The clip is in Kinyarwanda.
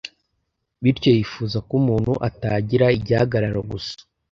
bityo yifuza ko umuntu atagira igihagararo gusa